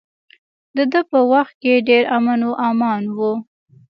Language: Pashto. د ده په وخت کې ډیر امن و امان و.